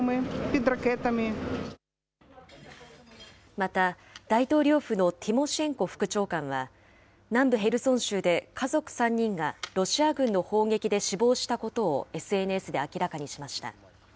また大統領府のティモシェンコ副長官は、南部ヘルソン州で家族３人がロシア軍の砲撃で死亡したことをＳＮＳで明らかにしました。